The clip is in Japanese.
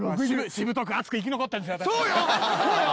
しぶとく熱く生き残ってるんですよ